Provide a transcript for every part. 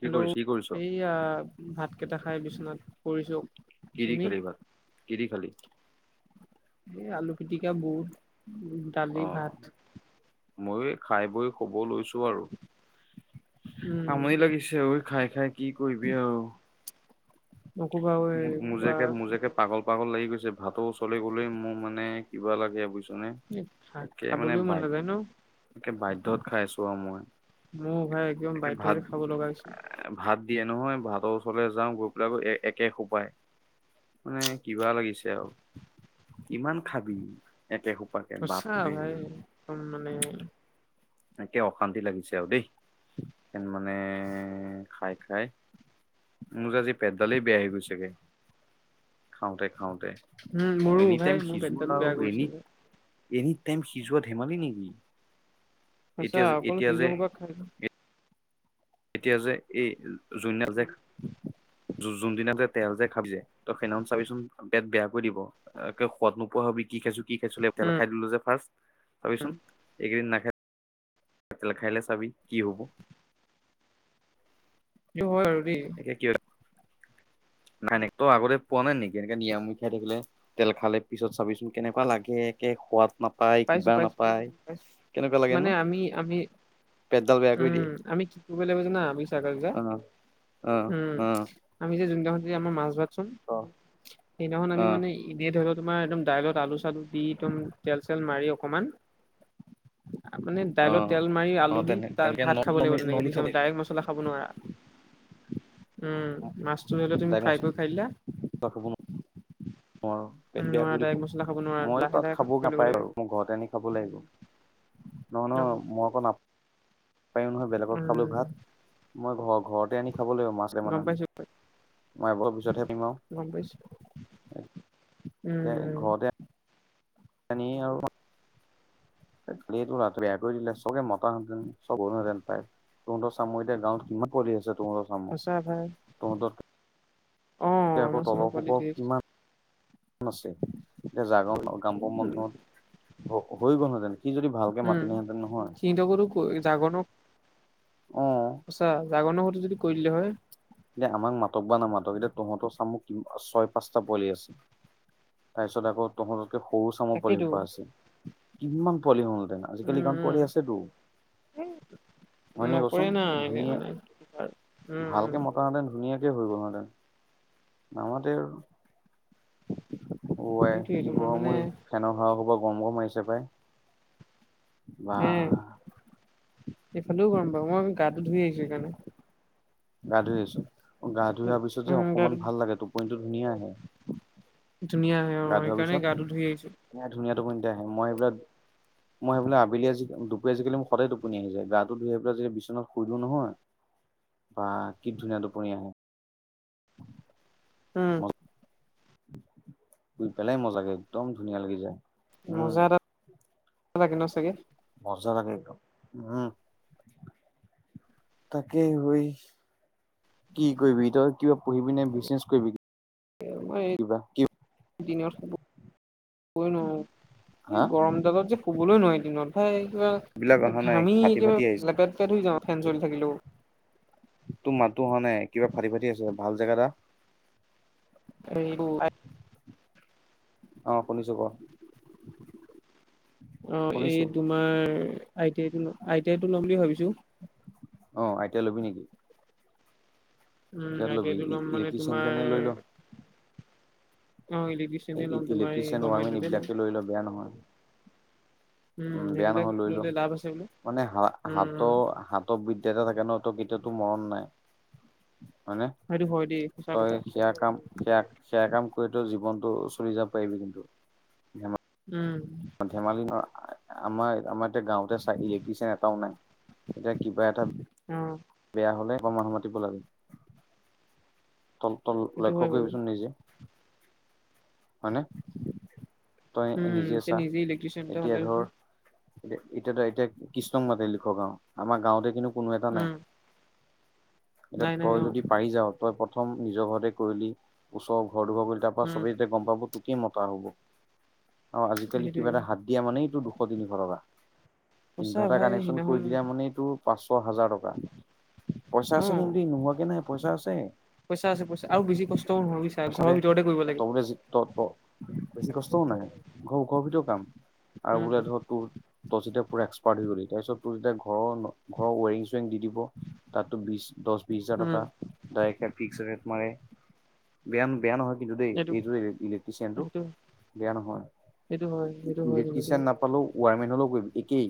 কি হেল্লো কৰিছ কি কৰিছ এইয়া ভাত কেইটা খাই বিচনাত পৰিছো কিদি তুমি কৰিবা কিদি খালি এ আলু পিটিকা বুট দালি ভাত মই খাই বৈ শুব লৈছো আৰু উম আমনি লাগি ছেঐ খাই খাই কি কৰিবি আও নকবা আৰু মোক মোৰযে একে মোৰযে একে পাগল পাগল লাগি গৈছে ভাতৰ ওচৰলে গ'লেই মোৰ মানে কিবা লাগে বুজিছ একে খাবলৈ মানে মন নাযায় ন একে বাধ্যত খাইছো আৰু মই মোৰ ভাই একদম একে ভাত বাধ্যতে খাব লগা হৈছে ভাত দিয়ে নহয় ভাতৰ ওচৰলে যাওঁ গৈ পেলাই একে সোপাই মানে কিবা লাগিছে আও কিমান খাবি। একে সোপাকে সঁচা বাপৰে। ভাই একদম মানে একে অশান্তি লাগিছে আৰু দেই মানে খাই খাই। মোৰ যে আজি পেটডালেই বেয়া হৈ গৈছেগে খাওঁতে খাওঁতে উম অ মোৰো এনি ভাই টাইম মোৰ পেটডাল সিজোৱা আৰু বেয়া কৰিছে এনি এনি টাইম সিজোৱা ধেমালি নেকি সঁচা এতিয়া যে অকল এতিয়া যে সিজোৱা সোপা খাই এতিয়া যে এই যোনদিনা যে [inaudible] যোনদিনা যে তেল যে খাবি যে তই সেইদিনাখন চাবিচোন পেট বেয়া কৰি দিব একে সোৱাদ নোপোৱা হবি কি খাইছো কি খাইছো লাগিব তেল উম খাই দিলো যে ফাৰ্ষ্ট ভাবিচোন এইকেইদিন নাখাই তেল খায় দিলে চাবি কি হব এইটো হয় আৰু দেই কি নাই নাই তই আগতে পোৱা নাই নেকি এনে নিৰামিষ খাই থাকিলে তেল খালে পিছত চাবিচোন কেনেকুৱা লাগে একে সোৱাদ নাপায় পাইছো কিবা পাইছো নাপায় পাইছো কেনেকুৱা লাগে ন মানে আমি আমি পেটডাল বেয়া কৰি উম দিয়ে আমি কি কৰিব লাগিব যানা আমি ছাকাছ দা অ', অ', উম অ', আমি যে যোনদিনাখন যে আমাৰ মাছ ভাত চোন সেইদিনাখন আমি অ', মানে এনেই ধৰি লও তোমাৰ একদম দাইলত আলু চালু দি একদম তেল চেল মাৰি অকমান আপুনি দাইলত অ'। তেল মাৰি আলু অ', দি তেনে তাত তেনেকে ভাত খাব লাগিব তেনেকে নৰ্মেলি বুইছে খাব লাগিব ডাইৰেক্ট মাছ খাব নোৱাৰা উম মাছটো ধৰি লোৱা তুমি ফ্ৰাই কৰি খাই দিলা টপ বোনো নোৱাৰো পেট বেয়া নোৱাৰা কৰিব ডাইৰেক্ট মছলা খাব নোৱাৰা মইও লাহে তাত লাহে খাব কৰিব নাপাই লাগিব। বাৰু মোৰ ঘৰত আনি খাব লাগিব নহয় নহয় অ', মই আকৌ নাপ পাৰিম নহয় বেলেগত খাবলৈ উম, ভাত মই ঘৰ ঘৰতে আনি খাব লাগিব মাছ গম কেইটামান আনি পাইছো মই এবছৰ পিছতহে পাৰিম আও গম পাইছো এ উম। ঘৰতে আনি আৰু এক্সুয়েলি এইটো লৰাটো বেয়া কৰি দিলে চবে মতাহেতেন চব গল হেঁতেন পাই তহঁতৰ চামৰ এতিয়া গাঁৱত কিমান পোৱালি আছে তহঁতৰ চামৰ সঁচা ভাই তহঁতৰ এতিয়া অ', আকৌ আমাৰ চমৰ তলৰ পোৱালি সোপাও ধেৰ কিমান আছে এতিয়া জাগৰ কামৰ বন্ধত হ হৈ গ'লহেঁতেন সি যদি ভালকে মাতিলেহেঁতেন নহয় ইন্ত কতো কৈ জাগো নো অ সচা জাগোনোৰ সৈতে যদি কৈ দিলে হয় এতিয়া আমাক মাতক বা নামাতক এতিয়া তহঁতৰ চামক কিমান ছয় পাঁচটা পোৱালি আছে তাৰপিছত আকৌ তহঁতকে সৰু চামৰ পোৱালি তাকেইতো সোপা আছে কিমান পোৱালি হ'ল তেনেকে আজিকালি উম, গাঁৱত উম। পোৱালি আছেতো হয় নাই কচোন নকৰে না এতিয়া ধুনীয়া মানে উম ভালকে মত মাতাহেতেন ধুনীয়াকে হৈ গলহেতেন‌ নামাতেও অ আই উম সেইটোয়ে কি তোমাৰ গৰম মানে ঐ ফেনৰ হাৱা সোপা গৰম গৰম আহিছে পাই বা এ এইফালেও গৰম বাৰু মই গাটো ধুই আহিছো সেইকাৰণে গা ধুই আহিছ গা ধুই আহা পিছত যে উম অকনমান গাটো ভাল লাগে টোপনিতো ধুনীয়া আহে ধুনীয়া আহে অ সেইকাৰণে গাটো ধুই আহিছো এ ধুনীয়া টোপনি এটা আহে মই সেইবিলাক মই সেইবিলাক আবেলি আজি আজিকালি সদায় টোপনি আহি যাই গাটো ধুই আহি পেলাই যদি বিছনাত শুই দিও নহয় বা কি ধুনীয়া টোপনি আহে উম শুই পেলাই মজাকে একদম ধুনীয়া লাগি যায় উম মজা তাত এটা লাগে ন চাগে মজা লাগে একদম উম তাকে ঐ কি কৰিবি তই কিবা পঢ়িবি নে বিজনেচ কৰিবি মই এই কিবা দিনত শুবই নোৱাৰো হা এই গৰম দালত যে শুবলৈ নোৱাৰি দিনত পাই এইবিলাক কিবা অহা নাই ঘামি ফাটি কিবা ফাটি আহিছে লেপেট পেট হৈ যাওঁ ফেন চলি থাকিলেও তো মাততো আহা নাই কিবা ফাটি ফাটি আহিছে ভাল জেগাট আ [unintelligible] অ শুনিছোঁ ক অ এই শুনিছো তোমাৰ I T I I T I টো ল'ম বুলি ভাবিছোঁ অ আই টি আই লবি নেকি উম কিহত আই টি ল'বি আইটো লম মানে ইলেক্ট্ৰিচিয়ান তোমাৰ নে লৈ ল অ ইলেকট্ৰিচিয়ানে ল'ম তোমাৰ ইলেক্ট্ৰিচিয়ান ৱাৰমেন গভমেণ্টতে ল'ম এইবিলাকে লৈ ল বেয়া নহয় উম বেয়া সেইবিলাক নহয় লৈ ল ললে লাভ আছে বোলে মানে হা উম উম হাতৰ হাত হাত বিদ্যা থাকে ন ত বিদ্যাতো মৰণ নাই হয় নে সেইটো হয় দেই সঁচা তই কথা সেয়া কাম সেয়া সেয়া কাম কৰি জীৱনটো চলি যাব পাৰিবি কিন্তু ধেমা উম ধেমালি নহয় আমাৰ আমাৰ এতিয়া গাওঁতে চাই ইলেক্ট্ৰিচিয়ান এটাও নাই এতিয়া কিবা এটা অহ বেয়া হ'লে আকৌ মানুহ মাতিব লাগে তল তল সেইটো লক্ষ্য হয় বাৰু কৰিবিচোন নিজে হয়নে তই উম নিজে এতিয়া চা ইলেক্ট্ৰিচিয়ান এটা এতিয়া হলে ধৰ এতিয়া এতিয়া এতিয়া কৃষ্ণক মাতিলি লিখৰ গাঁও আমাৰ গাঁওতে কিন্তু কোনো এটা নাই উম এতিয়া নাই নাই তই অ যদি পাৰি যাও তই প্ৰথম নিজৰ ঘৰতে কৰিলি ওচৰৰ ঘৰ দুঘৰ কৰিলি তাৰ পৰা উম চবেই গম পাব তোকে মতা হ'ব আও‌ আজিকালি সেইটোৱে কিবা এটা দিয়া মানে এইটো দুশ তিনিশ টকা সঁচা ইনভাৰ্টাৰ ভাই কানেকশন সিদিনাখন কৰি দিয়া মানে এইটো পাঁচশ হাজাৰ টকা পইচা অ আছে কিন্তু নোহোৱাকে নাই পইচা আছে। পইচা আছে পইচা আৰু বেছি কষ্টও নহয় ছা পইচা ঘৰৰ ভিতৰতে কৰিব লাগে। তবলে ত ত বেছি কষ্টও নাই ঘৰৰ ওখৰ ভিতৰত কাম আৰু বোলে উম ধৰক তোৰ তই যেতিয়া পোৰা এক্সাৰ্ট, গ'ল তাৰপিছত তোৰ যেয়া ঘৰৰ ঘৰৰ ৱৰিং- চোৰিং দি দিব। তাতো বিশ দহ বিশ হাজাৰ উম টকা। দাইকে ফিক্স ৰেট মাৰে বেয়া বেয়া নহয়। কিন্তু দেই এইটো ইলেক্ট্ৰিচিয়ানটো সেইটো বেয়া নহয়। সেইটো হয় সেইটো হয় কিন্তু দেই গিতিচান নাপালোও ৱাৰমেন হলেও গ একেই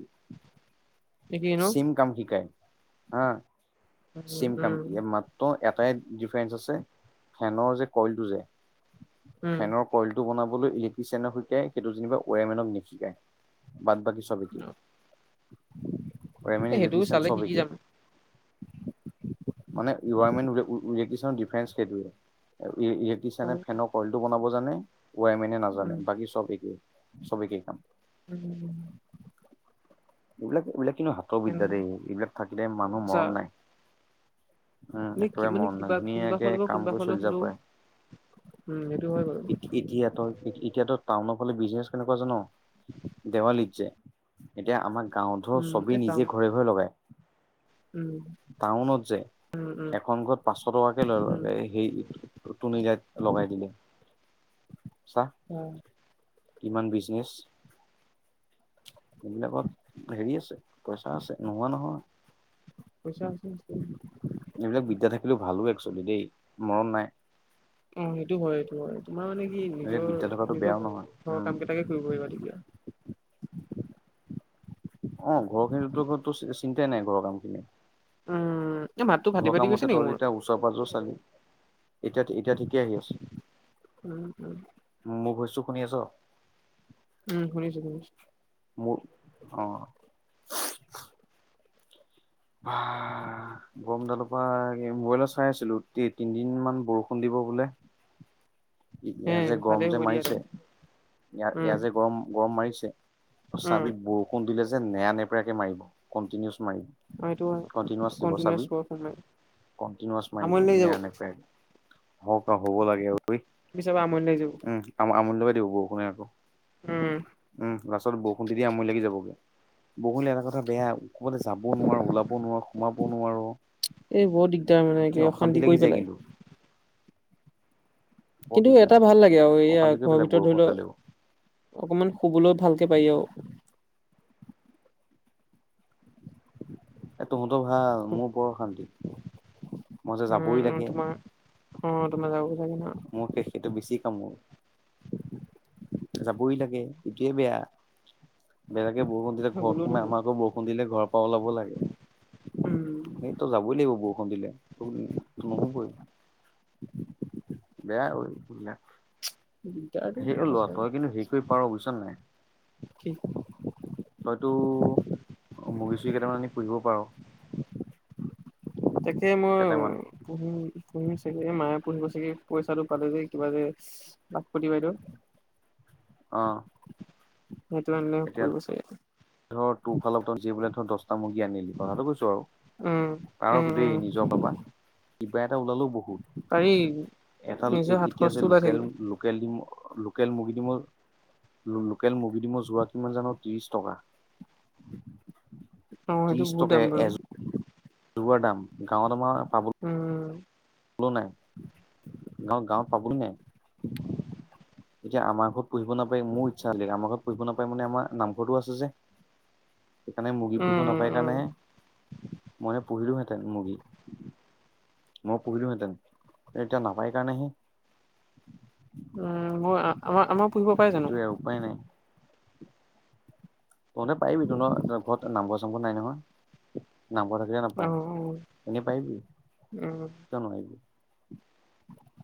একেই ন চিম কাম শিকায় হা উম চিম কাম উম মাত্ৰ এটাই ডিফাৰেন্ঞ্চ, আছে ফেনৰ যে কইলটো যে উম ফেনৰ কইলটো বনাবলৈ ইলেক্ট্ৰিচিয়ান, শিকায় সেইটো যেনিব ৱ মেনক নিশিকায় ব ব মিন এ সেইটোও লিচন চালে শিকি চভক যাম [unintelligible] মানে ইনভাৰৰমেট, ইলেক্ট্ৰিচিয়, ডিফেন্ঞ্চ সেইটোৱে অ ইলেক্ট্ৰচিয়ানে ফেনক ইলটো বনাব জানে ৱাই মেনে নাজানে বাকী চব একেই চব একেই কাম। উম উ উ এইবিলাক এইবিলাক কিন্তু হাতৰ উম বিদ্যা দেই এইবিলাক থাকিলে মানুহ আচ্ছা মৰণ নাই উম কি একেবাৰে মানে মৰণ নাই কিবা কোনোবা ধুনীয়াকে হ'লে বা কাম কোনোবা কৰি হ'লে চলি যাব হ'লেও পাৰে উম সেইটো হয় বাৰু। এতিয়াত এতিয়াতো টাউনৰ ফালে বিজনেচ কেনেকুৱা জান দেৱালীত, যে। এতিয়া আমাৰ গাওঁ ধৰ উম এই ছবি টান নিজে ঘৰে- ঘৰে লগাই। উম টাউনত যে এখন ঘৰত পাঁচশ টকাকে লয় তুনি লাইট লগাই দিলে চা অ কিমান বিজনেছ। এইবিলাকত হেৰি আছে পইচা আছে নোহোৱা নহয়। পইচা আছে। এইবিলাক বিদ্যা থাকিলে ভালো একচলি দেই মৰম নাই। অ সেইটো হয় সেইটো হয় তোমাৰ মানে কি এইবিলাক বিদ্যা নিজৰ থকাটো নিজৰ বেয়াও নহয় ঘৰৰ উম কাম কেইটাকে খুবিবতিতিয়া [unintelligible] অ ঘৰৰ খিনিতো চিন্তাই নাই ঘৰৰ কামখিনি। উম এই মাতটো ফাটি ফাটি গৈছে নেকি মোৰ। ওচৰে পাঁজৰ চালি এতিয়া এতিয়া ঠিকে আহি আছে। উম উম মোৰ কৈছোঁ শুনি আছ? উম শুনিছো শুনিছো! মোৰ অ হা গৰমডালৰ পৰা মইত চাই আছিলো তিনদিন মান বৰষুণ, দিব বোলে। [inaudible] ই হে এয়া যে গৰম ভালেই যে হ'ব দিয়া তে মাৰিছে ইয় উম এয়া যে গৰম গৰম মাৰিছে। উম চাবি বৰষুণ দিলে যে নেৰা নেপেৰাকে মাৰিব কণ্টিনিউছ মাৰিব। অ সেইটো হয় কণ্টিনছ দিব কণ্টিনিউৱাছ চাবি ৱৰ্ক সোমাই কণ্টিনাছ মাৰিব আমনি লাগি যাব নেৰা নেপেৰাকে। হক হ'ব লাগে ঐ পিছৰ পৰা আমনি লাগি যাব উম আ আমুলব দিব বৰষুণে, আকৌ। হুম উম লা্ষ্টত বৰষুণ দি দি আমৰি লাগি যাব গৈ বৰষুণ দিলে এটা কথা বেয়া ক'ৰবালে যাবও নোৱাৰো ওলাবও নোৱাৰো সোমাবও নোৱাৰো এই বৰ দিগদাৰ মানে কি অশান্তি লাগি কৰি যায় পেলাই কিন্তু বৰ কিন্তু দিগদাৰ এটা ভাল লাগে আৰু এইয়া অশান্তি কৰি ঘৰৰ পেলাই ভিতৰত ধৰি বৰষুণ লও দালেও অকমান শুবলৈও ভালকে পায়ি আৰু এ তহঁতৰ ভাল মোৰ বৰশান্তি মই যে যাবই উম লাগে তোমাৰ অ তোমাৰ যাব লাগে ন মোৰ সেইটো বেছি কামোৰ যাবই লাগে এইটোয়ে বেয়া বেলেগে বৰষুণ দিলে ঘৰত নগলেও সোমাই নহয় আমাৰ আকৌ বৰষুণ দিলে ঘৰৰ পৰা ওলাব লাগে উম এই তই যাবই লাগিব বৰষুণ দিলে ত নহবই বেয়া ও এইবিলাক ওম। সেয় ল'ৰা তই কিন্তু হেৰি কৰি পাৰ বুজিছ নে নাই। কি ক'ব তইতো মুৰ্গী চুৰ্গী কেইটামান আনি পুহিব পাৰ। তাকে মই কেইটামান পুহিম পুহিম চাগে মায়ে পুহিব চাগে পইচাটো পালে যে কিবা যে লাখপতি বাইদেউৰ। অহ'। সেইটো আনিলে কৰিব চাগে। ধৰ টোৰফালৰ ধৰ আজি বোলে ধৰ দহ মুৰ্গী আনিলি কথাটো কৈছো আৰু উম পাৰ উম কিন্তু উম দেই নিজৰ ফালৰ পৰা কিবা এটা ওলালেও পাৰি বহুত এফাল নিজৰ হাত এতিয়া যে খৰচটো ওলাই থাকে লোকেল লোকেল ডীম লোকেল মুৰ্গী ডীম লোকেল মুৰ্গী ডীমৰ যোৰা কিমান জান ত্ৰিশ টকা উ [inaudible] অ', সেইটো বহুত দাম বাৰু। দুবাৰ দাম গাঁৱত আমাৰ পাব উম। পাবলৈ নাই গাঁৱত গাঁৱত পাবলৈ নাই। [inaudible] এতিয়া আমাৰ ঘৰত পুহিব নাপায় মোৰ ইচ্ছা আছিলে আমাৰ ঘৰত পুহিব নাপাই মানে আমাৰ নামঘৰটো আছে যে। সেইকাৰণে মুৰ্গী পুহিব উম নাপায় উম উম কাৰণেহে মই পুহিলোহেঁতেন মুৰ্গী। মই পুহিলোহেঁতেন এতিয়া নাপায় কাৰণেহে। উম, মই আমাৰ আমাৰ পুহিব পাই জানো? উপাই নাই। তহঁতে পাৰিবি তহঁতৰ ঘৰত নামঘৰ চামঘৰ নাই নহয়। নামঘৰ থাকিলে অ নাপায় অ এনেই পাৰিবি। উম কিয় নোৱাৰিবি।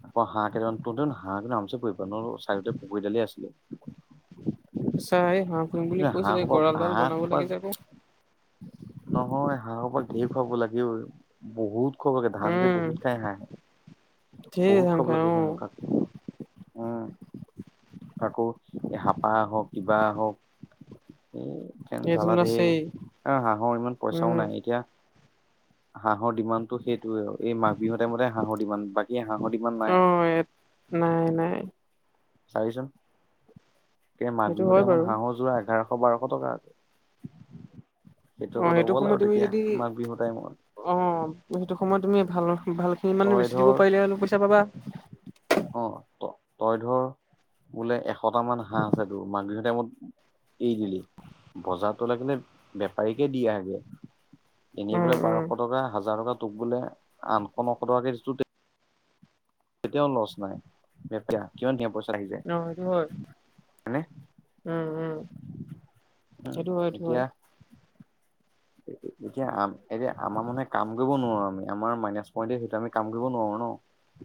আকৌ হাঁহ কেইটা মান তহঁতে কিন্তু হাঁহ কিন্তু আাৰামছে পুহিব পাৰ তহঁতৰ চাইডতে পুখুৰীডাল আছিলে। সঁচা এই হাঁহ পুহিম বুলি হাঁহ কৈছিলে সোপা গঁড়ালডাল হাঁহ বনাব সোপা লাগে যে আকৌ। নহয় হাঁহ সোপা ঢেৰ খোৱাব লাগে বহুত খোৱাব লাগে ধান যে উম, বহুত খাই হাঁহে। ধেৰ বহুত ধান খোৱাব খাই লাগে অ' সেইমসাক। উম, আকৌ এ হাপা আহক কিবা আহক এ এখেন এইটো জালা আছেই ধেইৰ এ হাঁহৰ ইমান পইচাও উম, নাই এতিয়া [inaudible] হাঁহৰ ডিমাণ্ডটো সেইটোৱেই আৰু এই মাঘ বিহু টাইমতে হাঁহৰ ডিমাণ্ড বা কী হাঁহৰ ডিমাণ্ড নাই অ' এ নাই নাই চাবিচোন। এ মাঘ সেইটো বিহুৰ হয় টাইমত বাৰু হাঁহৰ যোৰা এঘাৰশ বাৰশ টকা। সেইটো অ' আকৌ দব'ল সময়ত আৰু তুমি তেতিয়া যদি মাঘ বিহু টাইম। অ', সেইটো সময়ত তুমি ভাল ভাল খিনি মানে তই বেছি দিব ধৰ পাৰিলে অলপ পইচা পাবা। অ', ত তই ধৰ বোলে এশটা মান হাঁহ আছে টোৰ মাঘ বিহু টাইমত এৰি দিলি বজাৰ তই লাগিলে বেপাৰীকে দি আহগে। এনে উম, বোলে উম, বাৰশ টকা হাজাৰ টকা তোক বোলে আঠশ নশ টকা কে দিছে তেতিয়াও লচ নাই কিমান ধুনীয়া পইচা আহি যায়। অ', সেইটো হয়, হয়নে উম, উম, সেইটো হয়, সেইটো এতিয়া হয়। [inaudible] এতিয়া আ এতিয়া আমাৰ মানুহে কাম কৰিব নোৱাৰো আমি আমাৰ মাইনাছ পইন্টে সেইটো আমি কাম কৰিব নোৱাৰো ন। [inaudible]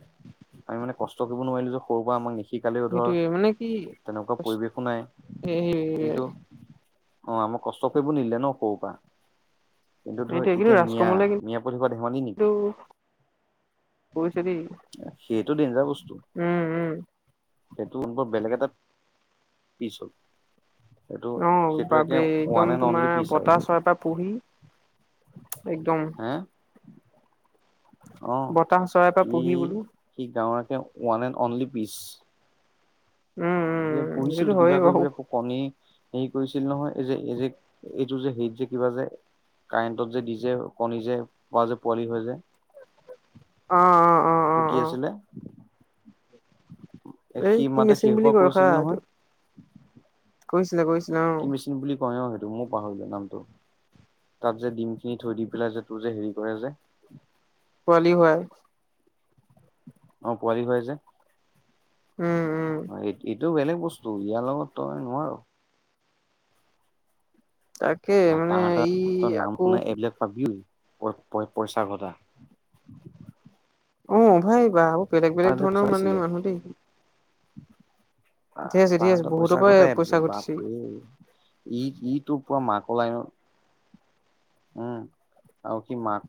আমি মানে কষ্ট কৰিব নোৱাৰিলো যে সৰুৰ পৰা আমাক নি শিকালেও ধৰ সেইটোয়ে মানে কি তেনেকুৱা পৰিৱেশো নাই এই কিন্তু অ আমাক কষ্ট কৰিব নিদিলে ন সৰু পৰা। কিন্তু ধৰ এইটোৱে কিন্তু এতিয়া মিয়া ৰাজকমলে মিয়া পুৱালহুপা ধেমালি কিন্তু নেকি। কৰিছে দেই সেইটো ডেঞ্জাৰ বস্তু। উম উম। সেইটো বেলেগ এটা পিছ হল। সেইটো অ সেইটো বাব একে ৰে ওৱান একদম এণ্ড অনলি তোমাৰ পিচ আৰু বতাহ চৰাই এটা পুহি একদম হে অ বতাহ চৰাই পৰা সি পুহি বোলো সি গাঁৱৰ একে ওৱান এণ্ড অনলি পিচ। উম আগে উম সেইটোতো পুহিছিলো কিবা হয়েই বাৰু কিবি কণী হেৰি কৰিছিল নহয় এই যে এই যে এইটো যে হেৰিত যে কিবা যে কাৰেণ্টত যে দি যে কণী যে পোৱা যে পোৱালি হৈ যায় অ অ অ অ সেইটো কি অ আছিলে? এ এই সি কি মাতে মেচিন বুলি হেইসোপা কয় ৰখা কৰিছিল এইটো নহয়। কৈছিলে কৈছিলে অ। কি মেচিন বুলি কয় অ সেইটো মইও পাহৰিলো নামটো। তাত যে ডিম খিনি থৈ দি পেলাই যে তোৰ যে হেৰি কৰে যে পোৱালি হয়। অ পোৱালি হয় যে। উম। উম এই এইটো বেলেগ বস্তু ইয়াৰ লগত তই নোৱাৰ। তাক তাহঁতৰ তই নাম শুনা এইবিলাক পাবি পই -পইচা ঘটা। অ সেই বাল আজি পচাইছিলে আহ ধেৰ আছে ধেৰ আছে তাহঁতে বহুতৰ পইচা পৰাই ঘটাই এপ যে পইচা ঘটিছে বাপৰে ই ইটো পুৰা মাকলাইন উম আৰু অ সি মাক